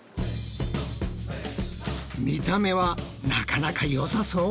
見た目はなかなかよさそう。